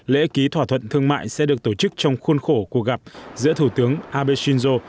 lễ ký thỏa thuận thương mại sẽ được tổ chức trong khuôn khổ cuộc gặp giữa thủ tướng abe shinzo